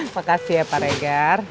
makasih ya pak regar